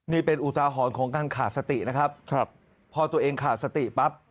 นี่เป็นอุทาหรณ์ของการขาดสตินะครับครับพอตัวเองขาดสติปั๊บ